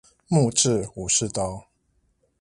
木製武士刀